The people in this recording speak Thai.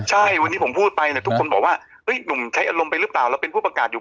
ใช่วันนี้ผมพูดไปเนี่ยทุกคนบอกว่าหนุ่มใช้อารมณ์ไปหรือเปล่าแล้วเป็นผู้ประกาศอยู่